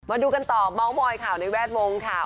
มาดูกันต่อเมาส์มอยข่าวในแวดวงค่ะ